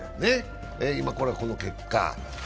今この結果。